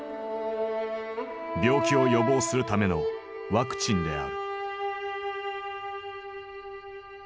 病気を予防するためのワクチンである。